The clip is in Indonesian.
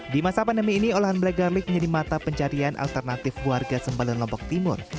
di masa pandemi ini olahan black garlic menjadi mata pencarian alternatif warga sembalan lombok timur